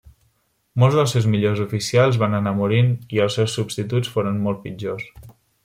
Molts dels seus millors oficials van anar morint i els seus substituts foren molt pitjors.